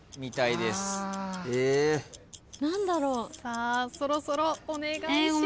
さあそろそろお願いします。